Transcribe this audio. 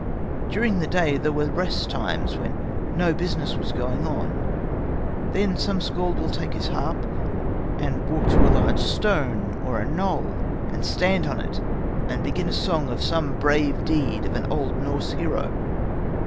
During the day there were rest times, when no business was going on. Then some skald would take his harp and walk to a large stone or a knoll and stand on it and begin a song of some brave deed of an old Norse hero.